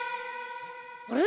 あれ？